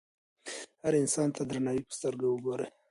هر انسان ته د درناوي په سترګه وګورئ.